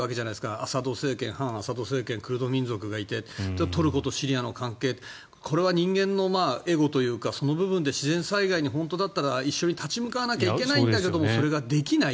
アサド政権反アサド政権、クルド民族がいてトルコとシリアの関係これが人間のエゴというか本当だったら自然災害に本当だったら一緒に立ち向かわなきゃいけないんだけどそれができない。